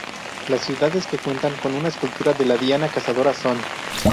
Las ciudades que cuentan con una escultura de la Diana Cazadora son.